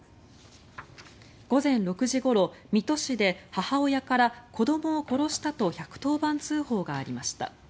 午前６時ごろ、水戸市で母親から子どもを殺したと１１０番通報がありました。